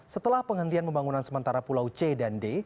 setelah penghentian pembangunan sementara pulau c dan d